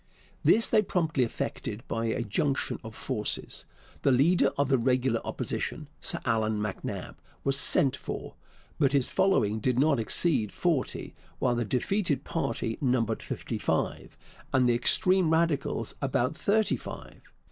This they promptly effected by a junction of forces. The leader of the regular Opposition, Sir Allan MacNab, was 'sent for.' But his following did not exceed forty, while the defeated party numbered fifty five, and the extreme Radicals about thirty five.